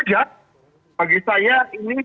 bagi saya ini pertarungan ini menjadi penting